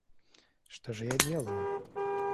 Что же я делаю?